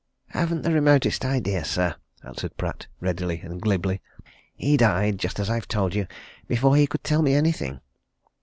"Haven't the remotest idea, sir," answered Pratt, readily and glibly. "He died just as I've told you before he could tell me anything."